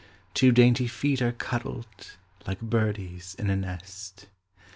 Two dainty feet are cuddled, Like birdies in a nest.